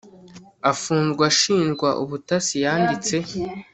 afunzwe ashinjwa ubutasi yanditse kuri